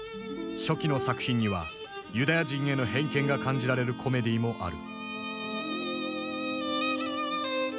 初期の作品にはユダヤ人への偏見が感じられるコメディーもある。